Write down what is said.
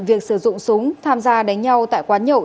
việc sử dụng súng tham gia đánh nhau